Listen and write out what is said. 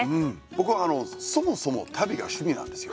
僕はそもそも旅が趣味なんですよ。